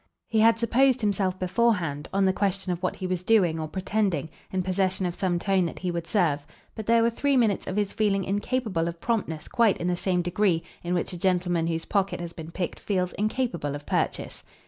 He had supposed himself beforehand, on the question of what he was doing or pretending, in possession of some tone that would serve; but there were three minutes of his feeling incapable of promptness quite in the same degree in which a gentleman whose pocket has been picked feels incapable of purchase.